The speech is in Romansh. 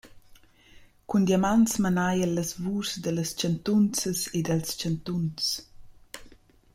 Cun diamants manaja’l las vuschs da las chantunzas e dals chantunzs.